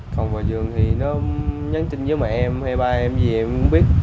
cộng vào giường thì nó nhắn tin với mẹ em hay ba em gì em cũng biết